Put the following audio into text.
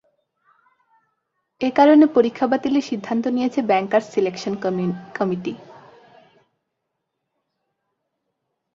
এ কারণে পরীক্ষা বাতিলের সিদ্ধান্ত নিয়েছে ব্যাংকার্স সিলেকশন কমিটি।